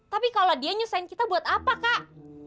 tapi kalau dia nyusahin kita buat apa kak